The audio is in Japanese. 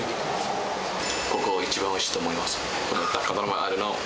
ここ、一番おいしいと思います。